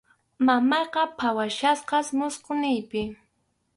Mamayqa phawachkasqas musquyninpi.